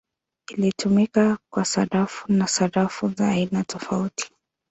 Ilitumika kwa sarafu na sarafu za aina tofauti.